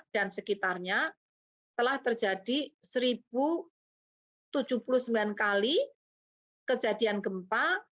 dan sekitarnya telah terjadi satu tujuh puluh sembilan kali kejadian gempa